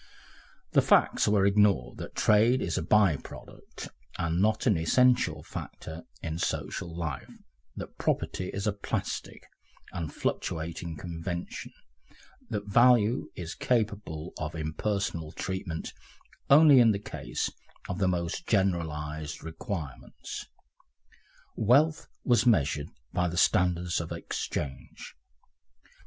The facts were ignored that trade is a bye product and not an essential factor in social life, that property is a plastic and fluctuating convention, that value is capable of impersonal treatment only in the case of the most generalised requirements. Wealth was measured by the standards of exchange.